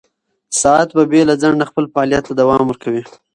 ساعت به بې له ځنډه خپل فعالیت ته دوام ورکوي.